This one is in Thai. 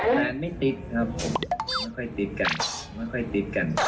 นานไม่ติ๊ดครับไม่ค่อยติ๊ดกัน